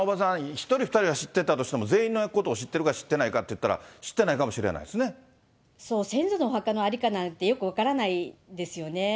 一人二人は知ってたとしても、全員のことを知ってるか知ってないかといったら知ってないかもしそう、先祖のお墓のありかなんて、よく分からないですよね。